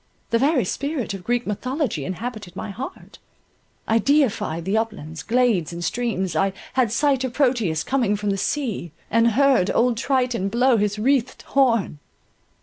The very spirit of the Greek mythology inhabited my heart; I deified the uplands, glades, and streams, I Had sight of Proteus coming from the sea; And heard old Triton blow his wreathed horn.